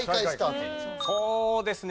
そうですね。